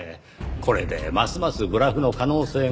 これでますますブラフの可能性が高まった。